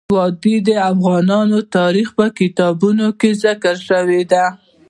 وادي د افغان تاریخ په کتابونو کې ذکر شوی دي.